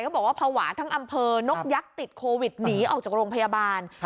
บอกว่าภาวะทั้งอำเภอนกยักษ์ติดโควิดหนีออกจากโรงพยาบาล